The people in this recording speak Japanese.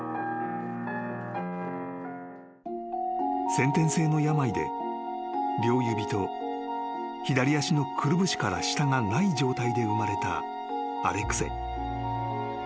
［先天性の病で両指と左足のくるぶしから下がない状態で生まれたアレクセイ］